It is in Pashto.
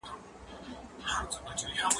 زه به تر زهښامه درس لوستلی وم؟!